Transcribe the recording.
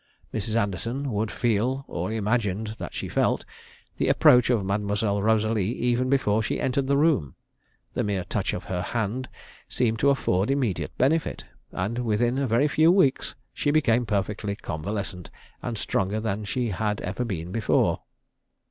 Mrs. Anderton could feel or imagined that she felt the approach of Mademoiselle Rosalie even before she entered the room; the mere touch of her hand seemed to afford immediate benefit, and within a very few weeks she became perfectly convalescent, and stronger than she had ever been before.